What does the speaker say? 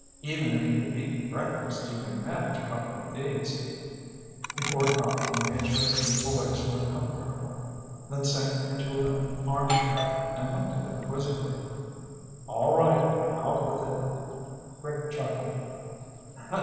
"Even if you've eaten breakfast, you can manage a couple of these." He poured coffee and made sure the boys were comfortable, then sank into an armchair and looked at them quizzically. "All right. Out with it." Rick chuckled.